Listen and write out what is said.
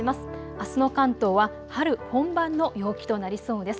あすの関東は春本番の陽気となりそうです。